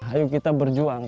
ayo kita berjuang